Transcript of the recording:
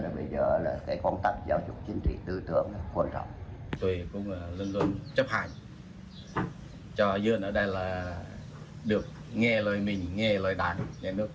tôi cũng luôn luôn chấp hành cho dân ở đây là được nghe lời mình nghe lời đảng nhà nước